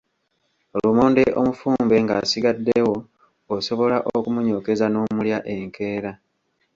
Lumonde omufumbe ng'asigaddewo osobola okumunyookeza n'omulya enkeera.